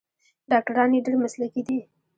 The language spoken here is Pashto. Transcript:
ډاکټران یې ډیر مسلکي دي.